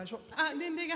年齢が。